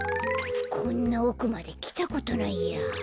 こんなおくまできたことないや。